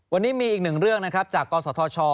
วันนี้มีอีกหนึ่งเรื่องนะครับจากกศธช